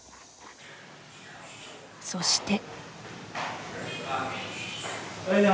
そして。